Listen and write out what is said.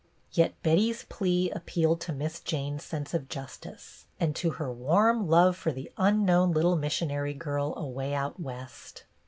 Yet Betty's plea appealed to Miss Jane's sense of justice and to her warm love for the un known little missionary girl away out West.